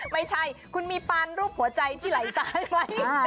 ไม่ใช่คุณมีปันรูปหัวใจที่ไหลใสไม่ใช่ค่ะ